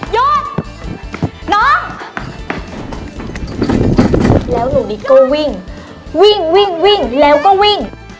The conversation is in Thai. ยอดน้องแล้วหนูดีก็วิ่งวิ่งวิ่งวิ่งแล้วก็วิ่ง